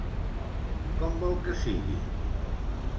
Com vol que sigui?